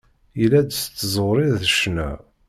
Yella-d s tẓuri d ccna.